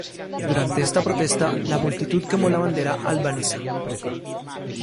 Durante esta protesta, la multitud quemó la bandera albanesa.